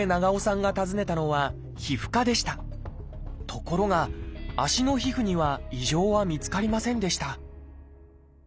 ところが足の皮膚には異常は見つかりませんでした